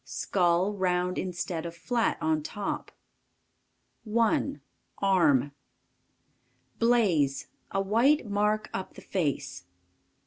Skull round instead of flat on top. 1. ARM. Blaze. A white mark up the face.